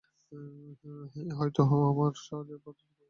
হয়তো আমরা সহজে পথ অতিক্রম করতে পারব।